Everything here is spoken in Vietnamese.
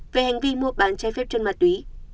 về hành vi mua bán trái phép chân ma túy